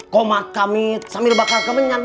komat kami sambil bakar kemenyan